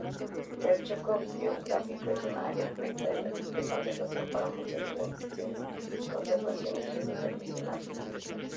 El Chocó biogeográfico es un área prioritaria de conservación para muchas organizaciones conservacionistas internacionales.